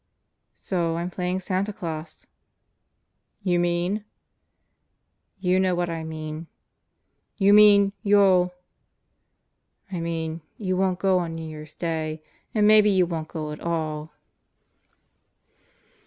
"So I'm playing Santa Claus." "You mean ..." "You know what I mean." "You mean ... you'll ..." "I mean you won't go New Year's Day and maybe you won't go at all."